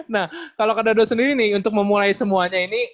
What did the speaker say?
nah kalau kak dado sendiri nih untuk memulai semuanya ini